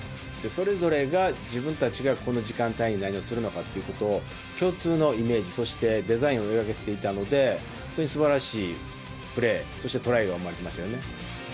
それぞれが自分たちがこの時間帯に何をするのかということを共通のイメージ、そしてデザインを描けていたので、本当にすばらしいプレー、そしてトライが生まれてましたよね。